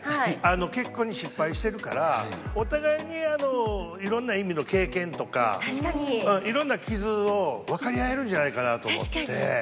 結婚に失敗してるからお互いにいろんな意味の経験とかいろんな傷をわかり合えるんじゃないかなと思って。